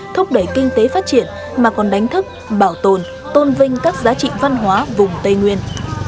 thúc đẩy kinh tế phát triển mà còn đánh thức bảo tồn tôn vinh các giá trị văn hóa vùng tây nguyên